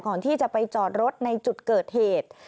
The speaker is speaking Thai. ก่อนที่จะไปจอดรถในจุดเกิดเหตุ